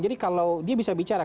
jadi kalau dia bisa bicara